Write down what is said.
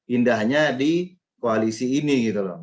indahnya di koalisi ini gitu loh